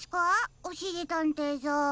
おしりたんていさん。